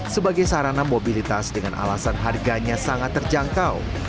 sebagai sarana mobilitas dengan alasan harganya sangat terjangkau